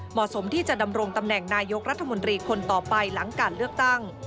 เหมาะสมที่จะดำรงตำแหน่งนายกรัฐมนตรีคนต่อไปหลังการเลือกตั้ง